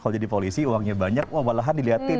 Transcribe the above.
kalau jadi polisi uangnya banyak wah malahan dilihatin